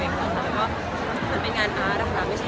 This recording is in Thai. พี่ก้าวห่วงเผลอเทศที่ใส่